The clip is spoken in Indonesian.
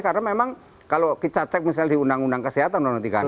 karena memang kalau cacek misalnya di undang undang kesehatan